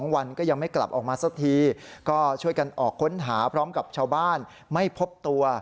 วันก็ยังไม่กลับออกมาสักทีก็ช่วยกันออกค้นหาพร้อมกับชาวบ้านไม่พบตัว